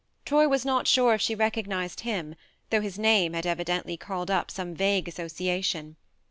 Troy was not sure if she recognized him, though his name had evidently called up some vague association.